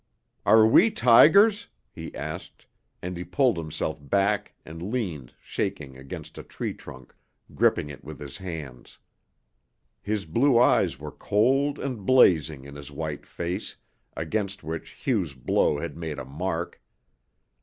"Are we tigers?" he asked, and he pulled himself back and leaned, shaking, against a tree trunk, gripping it with his hands. His blue eyes were cold and blazing in his white face, against which Hugh's blow had made a mark.